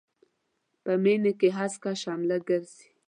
په مينې کې هسکه شمله ګرځي.